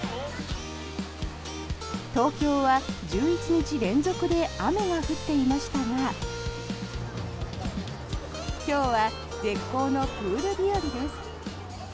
東京は１１日連続で雨が降っていましたが今日は絶好のプール日和です。